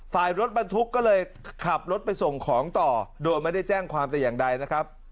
ฝ่ายรถบรรทุกก็เลยขับรถไปส่งของต่อโดยไม่ได้แจ้งความแต่อย่างใดนะครับ